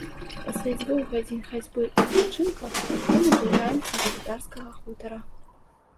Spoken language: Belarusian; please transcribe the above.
Пасля дзвюх гадзін хадзьбы і адпачынкаў мы набліжаемся да татарскага хутара.